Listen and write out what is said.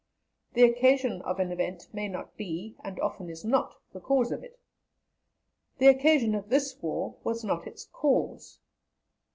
The occasion of an event may not be, and often is not, the cause of it. The occasion of this war was not its cause.